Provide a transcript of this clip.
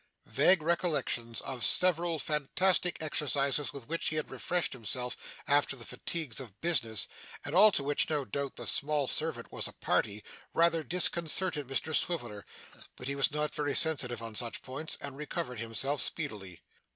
Vague recollections of several fantastic exercises with which he had refreshed himself after the fatigues of business, and to all of which, no doubt, the small servant was a party, rather disconcerted Mr Swiveller; but he was not very sensitive on such points, and recovered himself speedily.